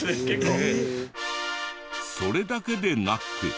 それだけでなく。